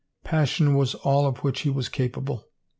Passion was all of which he was capable.